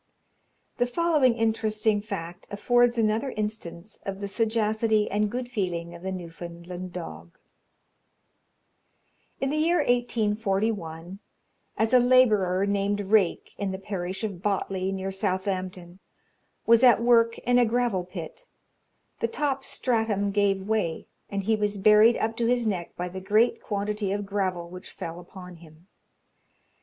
The following interesting fact affords another instance of the sagacity and good feeling of the Newfoundland dog: In the year 1841, as a labourer, named Rake, in the parish of Botley, near Southampton, was at work in a gravel pit, the top stratum gave way, and he was buried up to his neck by the great quantity of gravel which fell upon him.